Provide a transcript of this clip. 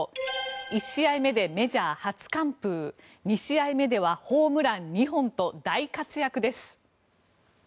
１試合目でメジャー初完封２試合目ではホームラン２本と大活躍です。